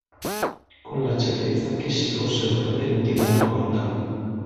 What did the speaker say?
Con la certezza ch'essi fossero trattenuti da una corda!